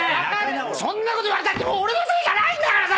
そんなこと言われたって俺のせいじゃないんだからさ！